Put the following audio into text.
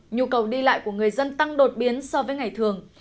nhu cầu đi lại của người dân tăng đột biến so với ngày thường